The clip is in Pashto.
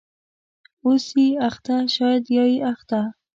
.اوسې اخته شاید یا یې اخته